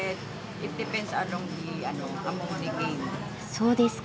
そうですか。